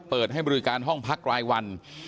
เปิดให้บริการห้องพักรายวัน